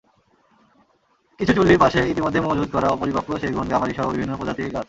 কিছু চুল্লির পাশে ইতিমধ্যেই মজুত করা অপরিপক্ব সেগুন, গামারিসহ বিভিন্ন প্রজাতির গাছ।